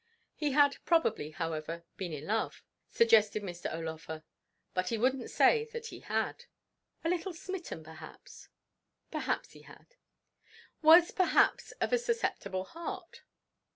He had, probably, however, been in love? suggested Mr. O'Laugher; but he wouldn't say that he had. A little smitten, perhaps? Perhaps he had. Was, perhaps, of a susceptible heart?